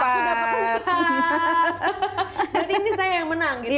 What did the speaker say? berarti ini saya yang menang gitu ya